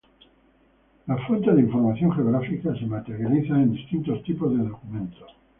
Las fuentes de información geográfica se materializan en distintos tipos de documentos.